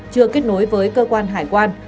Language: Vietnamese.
chưa kết nối với cơ quan hải quan